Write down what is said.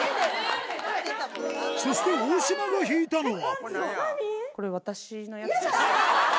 そして大島が引いたのは。